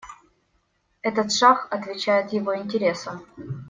Этот шаг отвечает его интересам.